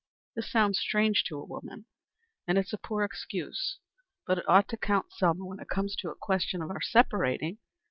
This sounds strange to a woman, and it's a poor excuse. But it ought to count, Selma, when it comes to a question of our separating.